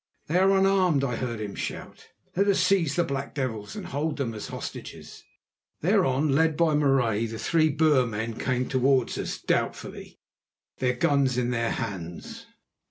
"They are unarmed," I heard him shout. "Let us seize the black devils and hold them as hostages." Thereon, led by Marais, the three Boer men came towards us doubtfully, their guns in their hands.